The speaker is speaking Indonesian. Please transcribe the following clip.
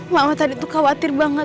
mama tadi tuh khawatir banget